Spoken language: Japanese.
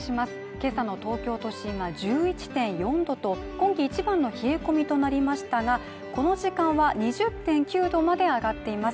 今朝の東京都心は１１．４度と今季一番の冷え込みとなりましたがこの時間は２０．９度まで上がっています